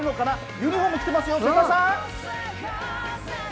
ユニフォーム着てますが瀬田さん。